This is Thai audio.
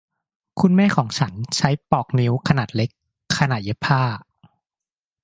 คุณแม่ของฉันใช้ปลอกนิ้วขนาดเล็กขณะเย็บผ้า